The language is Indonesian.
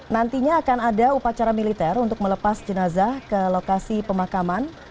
nantinya akan ada upacara militer untuk melepas jenazah ke lokasi pemakaman